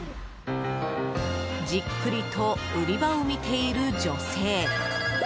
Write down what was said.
じっくりと売り場を見ている女性。